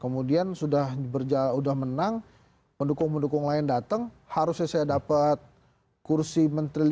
kemudian sudah berjalan sudah menang pendukung pendukung lain datang harusnya saya dapat kursi menteri lima belas juga empat